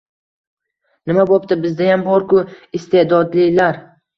Nima bo‘pti? Bizdayam bor-ku iste’dodlilar.